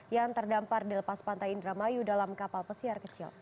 yang terdampar di lepas pantai indramayu dalam kapal pesiar kecil